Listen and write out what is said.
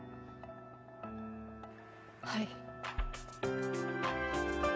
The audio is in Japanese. はい。